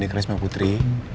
di keris mak putri